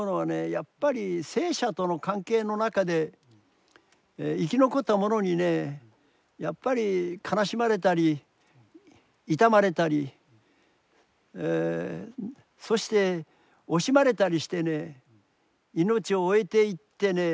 やっぱり生者との関係の中で生き残った者にねやっぱり悲しまれたり悼まれたりそして惜しまれたりしてね命を終えていってね